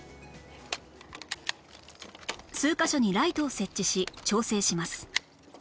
数カ所にライトを設置し調整します